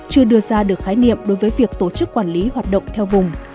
chưa đưa ra được khái niệm đối với việc tổ chức quản lý hoạt động theo vùng